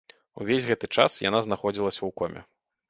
Увесь гэты час яна знаходзілася ў коме.